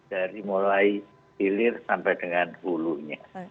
dari mulai hilir sampai dengan hulunya